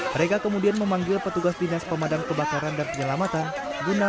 mereka kemudian memanggil petugas dinas pemadam kebakaran dan penyelamatan guna